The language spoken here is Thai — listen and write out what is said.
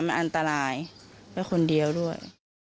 มันอันตรายไปคนเดียวด้วย